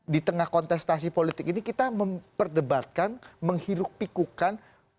di tengah kontestasi politik ini kita memperdebatkan menghiruk pikukan